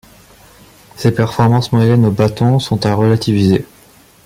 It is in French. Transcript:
Ses performances moyennes au bâton sont à relativiser.